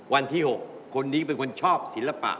วันที่๖คนนี้เป็นคนชอบศิลปะ